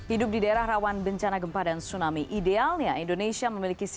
indonesia breaking news